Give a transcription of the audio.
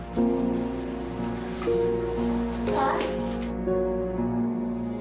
saya ingin memberikan dictums